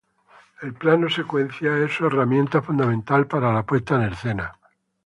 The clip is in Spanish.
El plano-secuencia es su herramienta fundamental para la puesta en escena.